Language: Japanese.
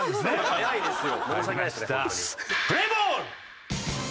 早いですよ。